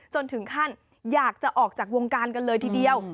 จนถึงขั้นอยากจะออกจากวงการกันเลยทีเดียว